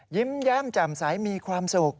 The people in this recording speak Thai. ยิ้มแย้มแจ่มใสมีความสุข